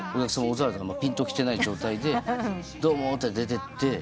オズワルドがぴんときてない状態で「どうも」って出てって。